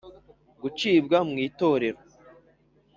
Gucibwa mu itorero